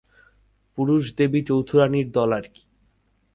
পুরুষ দেবী-চৌধুরানীর দল আর-কি।